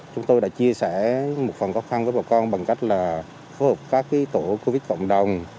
chúng tôi đã chia sẻ một phần khó khăn với bà con bằng cách là phối hợp các tổ covid cộng đồng